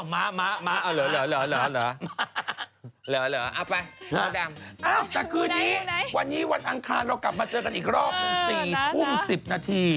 มามามาเอาไปแล้วแต่คืนนี้วันนี้วันอ่างคันเรากลับมาเจอกันอีกรอบ๔ทุ่ม๑๐นาที